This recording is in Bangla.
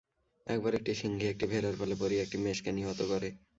একবার একটি সিংহী একটি ভেড়ার পালে পড়িয়া একটি মেষকে নিহত করে।